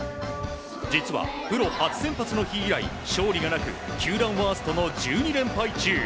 実は、プロ初先発の日以来勝利がなく球団ワーストの１２連敗中。